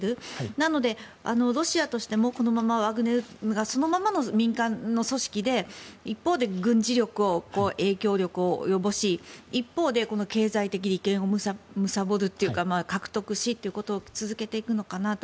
なので、ロシアとしてもこのままワグネルがそのままの民間の組織で一方で軍事力を影響力を及ぼし一方で経済的利権をむさぼるというか獲得しっていうことを続けていくのかなと。